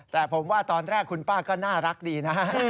แต่ผมว่าตอนแรกคุณป้าก็น่ารักดีนะฮะ